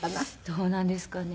どうなんですかね。